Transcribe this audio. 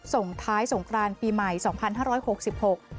ส่งท้ายสงครานปีใหม่สองพันห้าร้อยหกสิบหก